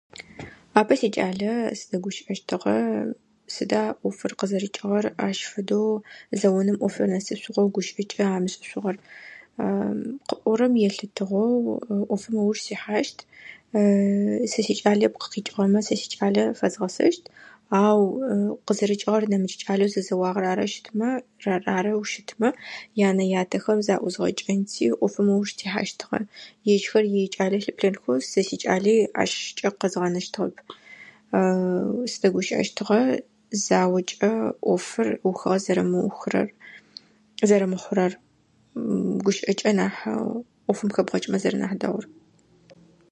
Апэ сикӏалэ сыдэгущыӏэщтыгъэ. Сыда ӏофыр къызэрикӏыгъэр, ащ фэдэу зэоным ӏофыр нэсышъугъэу, гущыӏэкӏэ амышӏышъугъэр. Къыӏорэм елъытыгъэу, ӏофым ыуж сихьащт. Сэ сикӏалэ ыпкъ къикӏыгъэмэ, сэ сикӏалэ фэзгъэсэщт. Ау къызэрыкӏыгъэр нэмыкӏ кӏалэу зэзэуагъэр арэу щытмэ, арэу щытмэ, янэ ятэхэм заузгъэкӏэ, те ӏофым ыуж тихьащтыгъа. Ежьхэр якӏалэ лъыплъэнхэу, сэ сикӏали ащкӏэ къэзгъанэщтыгъэп. Сыдэгущыӏэщтыгъэ, заокӏэ ӏофыр ухыгъэр зэрэмыухырэр, зэрэмыхъурэр. Гущыӏэкӏэ нахь ӏофым нахь хэбгъэкӏымэ зэрэ нахь дэгъур.